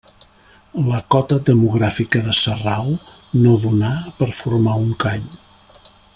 La cota demogràfica de Sarral no donà per formar un call.